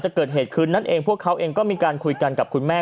จะเกิดเหตุคืนนั้นเองพวกเขาเองก็มีการคุยกันกับคุณแม่